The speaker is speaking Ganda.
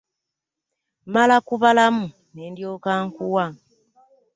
Mmala kubalamu ne ndyoka nkuwa.